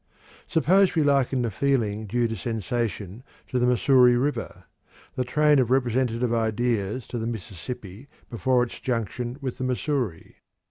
Suppose we liken the feeling due to sensation to the Missouri River; the train of representative ideas to the Mississippi before its junction with the Missouri.